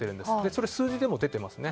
それは数字でも出ていますね。